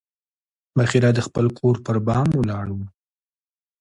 بحیرا د خپل کور پر بام ولاړ و.